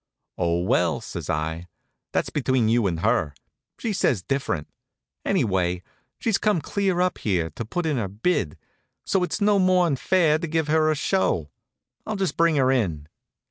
"Oh, well," says I, "that's between you and her. She says different. Anyway, she's come clear up here to put in her bid; so it's no more'n fair to give her a show. I'll just bring her in."